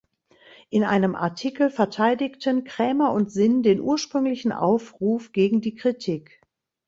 In einem Artikel verteidigten Krämer und Sinn den ursprünglichen Aufruf gegen die Kritik.